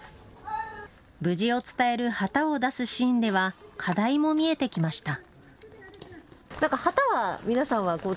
無事を伝える旗を出すシーンでは課題も見えてきました。